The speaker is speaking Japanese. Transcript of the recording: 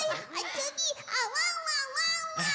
つぎワンワンワンワン！